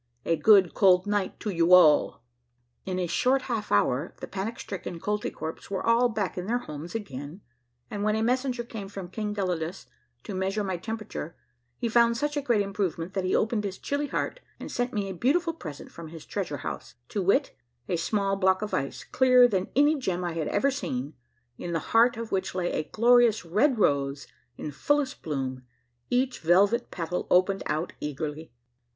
A cold good night to vou all." In a short half hour the panic stricken Kolt3"kwerps were all back in their homes again, and when a messenger came from King Gelidus to measure my temperature he found such a great improvement that he opened his chill3" heart and sent me a beautiful present from his treasure house, to wit : A small block of ice, clearer than any gem I had ever seen, in the heart of which la3' a glorious red rose in fullest bloom, each velvet petal opened out eagerl3'.